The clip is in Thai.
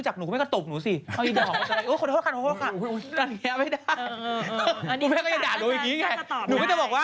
อยากจะเล่านะคะ